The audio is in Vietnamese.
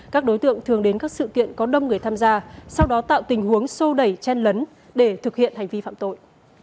các đối tượng thường đến các sự kiện có đông người tham gia sau đó tạo tình huống sô đẩy chen lấn để thực hiện hành vi phạm tội